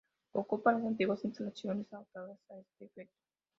Ocupa las antiguas instalaciones adaptadas a este efecto.